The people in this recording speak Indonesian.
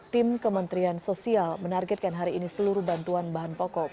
tim kementerian sosial menargetkan hari ini seluruh bantuan bahan pokok